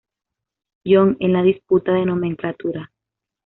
John en la disputa de nomenclatura.